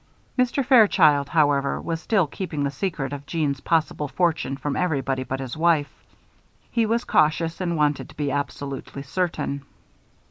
Mr. Fairchild, however, was still keeping the secret of Jeanne's possible fortune from everybody but his wife. He was cautious and wanted to be absolutely certain.